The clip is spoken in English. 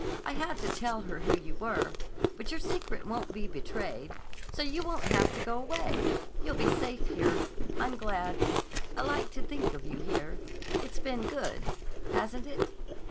I had to tell her who you were. But your secret won't be betrayed. So you won't have to go away. You'll be safe here. I'm glad. I like to think of you here. It's been good—hasn't it?